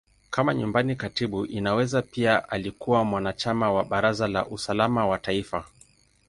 Kama Nyumbani Katibu, Inaweza pia alikuwa mwanachama wa Baraza la Usalama wa Taifa.